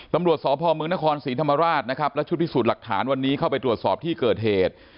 ตำรวจสพมนครศรีธรรมราชนะครับและชุดพิสูจน์หลักฐานวันนี้เข้าไปตรวจสอบที่เกิดเหตุ